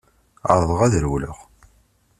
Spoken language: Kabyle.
Ԑerḍeɣ ad rewleɣ.